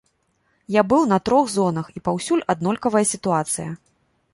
Я быў на трох зонах, і паўсюль аднолькавая сітуацыя.